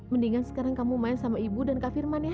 mendingan sekarang kamu main sama ibu dan kak firman ya